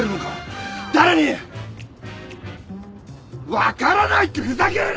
分からないってふざけるな！